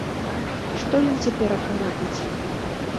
Што ён цяперака робіць?